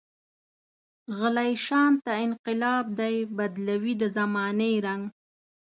غلی شانته انقلاب دی، بدلوي د زمانې رنګ.